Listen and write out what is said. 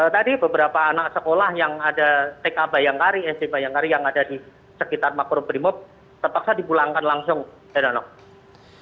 tadi beberapa anak sekolah yang ada tk bayangkari sd bayangkari yang ada di sekitar makorup brimob terpaksa dipulangkan langsung heranov